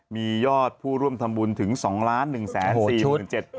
มียอดผู้ร่วมทำบุญถึง๒๑๔๗๐๐บาท